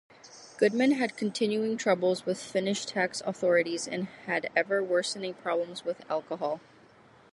Goodman had continuing troubles with Finnish tax authorities and had ever-worsening problems with alcohol.